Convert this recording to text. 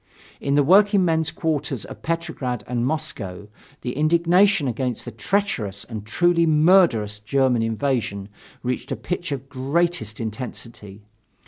In the workingmen's quarters of Petrograd and Moscow, the indignation against the treacherous and truly murderous German invasion reached a pitch of greatest intensity.